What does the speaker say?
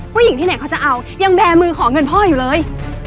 ที่ไหนเขาจะเอายังแบร์มือขอเงินพ่ออยู่เลย